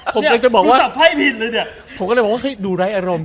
ผมกำลังจะบอกว่าสับไพ่ผิดเลยเนี่ยผมก็เลยบอกว่าเฮ้ยดูไร้อารมณ์